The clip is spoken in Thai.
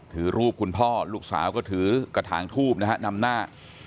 ถือรูปคุณพ่อลูกสาวก็ถือกระถางทูบนะฮะนำหน้า